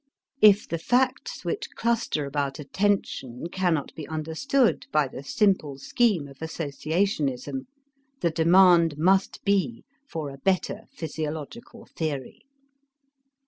If the facts which cluster about attention cannot be understood by the simple scheme of associationism, the demand must be for a better physiological theory.